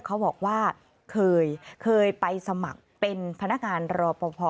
เขาบอกว่าเคยไปสมัครเป็นพนักงานรอปภ